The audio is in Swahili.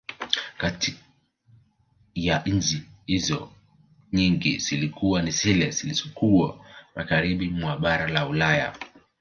Kati ya nchi hizo nyingi zilikuwa ni zile zizokuwa Magharibi mwa bara la Ulaya